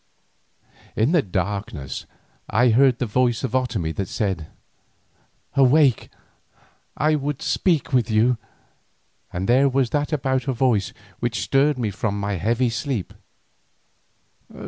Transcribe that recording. In the darkness I heard the voice of Otomie that said, "Awake, I would speak with you," and there was that about her voice which stirred me from my heavy sleep.